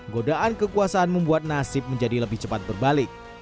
godaan kekuasaan membuat nasib menjadi lebih cepat berbalik